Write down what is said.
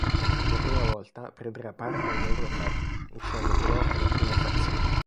Per la prima volta prenderà parte all’EuroCup, uscendo però alla prima fase.